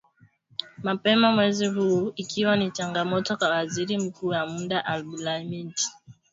mapema mwezi huu ikiwa ni changamoto kwa Waziri Mkuu wa muda Abdulhamid Dbeibah